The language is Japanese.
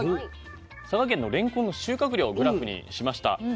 佐賀県のれんこんの収穫量をグラフにしました。